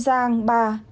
ba đồng nai